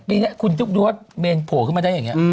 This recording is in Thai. ปีนี้คุณจุ๊กดูว่าเมนโผล่ขึ้นมาได้อย่างนี้